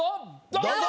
どうぞ！